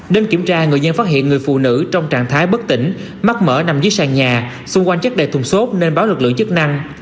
đến kiểm tra người dân phát hiện người phụ nữ trong trạng thái bất tỉnh mắc mở nằm dưới sàn nhà xung quanh chất đầy thùng xốp nên báo lực lượng chức năng